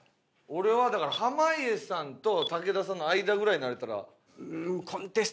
俺はだから濱家さんと武田さんの間ぐらいになれたら。